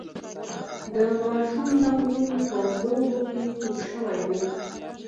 د ماشوم زنګون په لوبو کې خوږ شوی و.